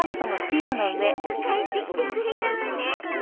よく帰ってきてくれたわね。